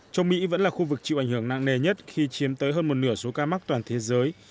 trong mỹ vẫn là khu vực chịu ảnh hưởng nặng nề nhất khi chiếm tới hơn một nửa số ca mắc toàn thế giới